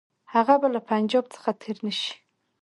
هغه به له پنجاب څخه تېر نه شي.